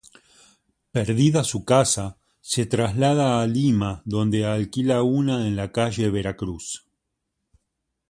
Perdida su casa, se traslada a Lima donde alquila una en la calle Veracruz.